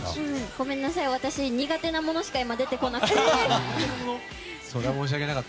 ごめんなさい、私苦手なものしか出てこなかった。